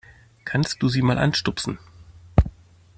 Kannst du sie mal anstupsen?